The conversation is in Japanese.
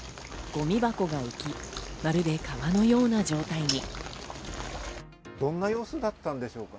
ごみ箱が浮き、まるで川のような状態に。